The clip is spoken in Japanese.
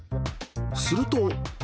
すると。